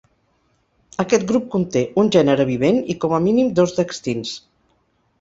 Aquest grup conté un gènere vivent i com a mínim dos d'extints.